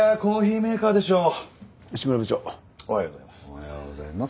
おはようございます。